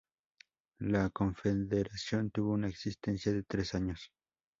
La confederación tuvo una existencia de tres años.